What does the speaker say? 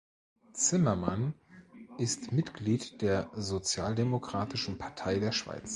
Zimmermann ist Mitglied der Sozialdemokratischen Partei der Schweiz.